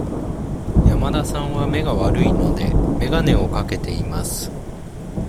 山田さんは目が悪いので、眼鏡をかけています。